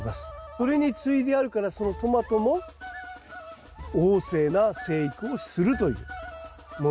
それに接いであるからそのトマトも旺盛な生育をするというものです。